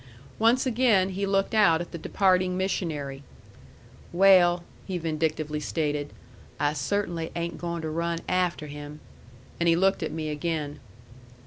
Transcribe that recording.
Once again he looked out at the departing missionary. "Well," he vindictively stated, "I cert'nly ain't goin' to run afteh him." And he looked at me again.